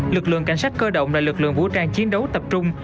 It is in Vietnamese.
lực lượng cảnh sát cơ động là lực lượng vũ trang chiến đấu tập trung